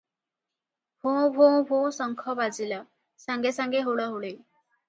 ଭୋଁ -ଭୋଁ -ଭୋଁ ଶଙ୍ଖ ବାଜିଲା! ସାଙ୍ଗେ ସାଙ୍ଗେ ହୁଳହୁଳି ।